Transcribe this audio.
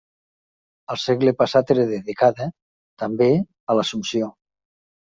Al segle passat era dedicada, també, a l'Assumpció.